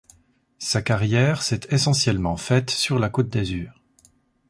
Sa carrière s'est essentiellement faite sur la Côte d’Azur.